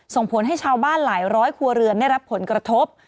ส่งผลให้ชาวบ้านหลายร้อยครัวเรือนได้รับผลกระทบ